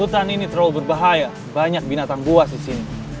hutan ini terlalu berbahaya banyak binatang buas disini